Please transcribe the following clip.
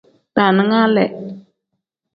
Daaninga lee.